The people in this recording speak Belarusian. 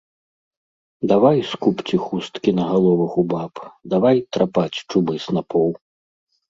Давай скубці хусткі на галовах у баб, давай трапаць чубы снапоў.